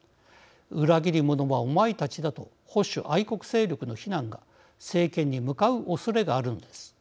裏切り者は、お前たちだと保守愛国勢力の非難が政権に向かうおそれがあるのです。